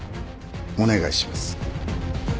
お願いします。